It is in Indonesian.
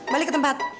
balik ke tempat